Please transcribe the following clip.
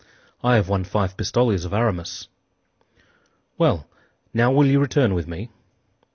"I have won five pistoles of Aramis." "Well; now will you return with me?"